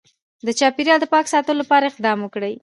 د چاپیریال د پاک ساتلو لپاره اقدام وکړي